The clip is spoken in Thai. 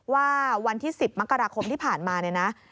วันที่๑๐มกราคมที่ผ่านมาเนี่ยนะ